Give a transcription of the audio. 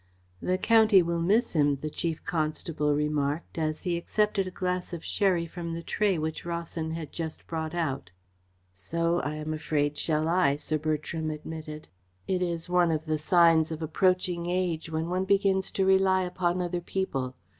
"The county will miss him," the Chief Constable remarked, as he accepted a glass of sherry from the tray which Rawson had just brought out. "So, I am afraid, shall I," Sir Bertram admitted. "It is one of the signs of approaching age when one begins to rely upon other people.